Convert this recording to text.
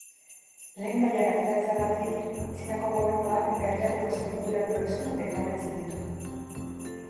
Lehengaiak ateratzeagatik Txinako gobernuak herrialdeko azpiegiturak berriztu eta hobetzen ditu.